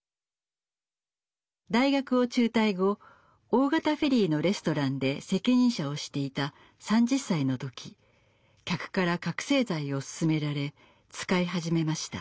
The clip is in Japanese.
大学を中退後大型フェリーのレストランで責任者をしていた３０歳の時客から覚せい剤をすすめられ使い始めました。